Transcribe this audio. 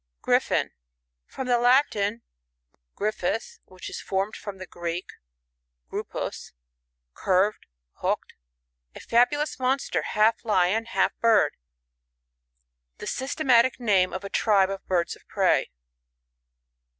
Griffin. — From the Latin, ^ypAtfS, which is formed from the Greek, grupos, curved, hooked. (A fabu lous monster, half lion, half bird.) The systematic name ef a tribe of birds of prey.